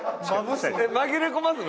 紛れ込ますの？